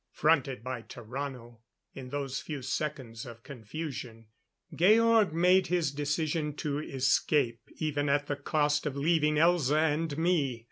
Fronted by Tarrano, in those few seconds of confusion, Georg made his decision to escape even at the cost of leaving Elza and me.